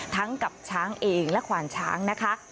กับช้างเองและขวานช้างนะคะ